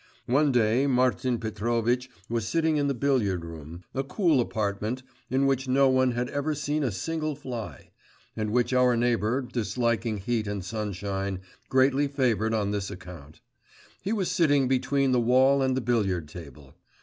One day Martin Petrovitch was sitting in the billiard room, a cool apartment, in which no one had ever seen a single fly, and which our neighbour, disliking heat and sunshine, greatly favoured on this account. He was sitting between the wall and the billiard table.